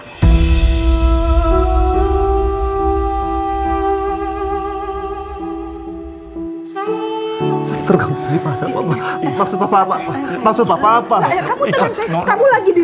terganggu daripada apa ma